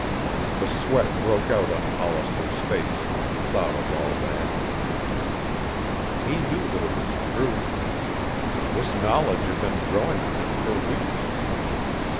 The sweat broke out on Hollister's face when he thought of all that. He knew that it was true. This knowledge had been growing on him for weeks.